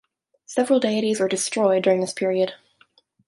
Several deities were "destroyed" during this period.